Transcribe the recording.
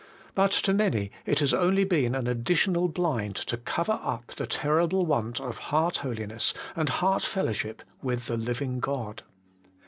But to many it has only been an additional blind to cover up the terrible want of heart holiness and heart fellowship with the living God.